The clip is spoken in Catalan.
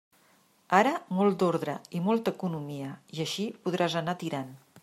Ara molt d'ordre i molta economia, i així podràs anar tirant.